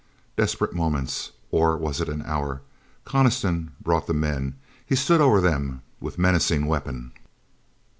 Desperate moments. Or was it an hour? Coniston brought the men. He stood over them with menacing weapon.